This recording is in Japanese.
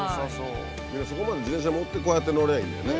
そこまで自転車持ってこうやって乗りゃいいんだよね。